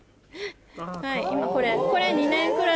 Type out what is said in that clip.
はい今これこれ。